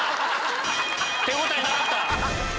手応えなかった！